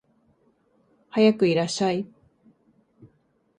はやくいらっしゃい